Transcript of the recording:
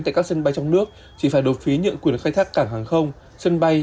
tại các sân bay trong nước chỉ phải đột phí nhượng quyền khai thác cảng hàng không sân bay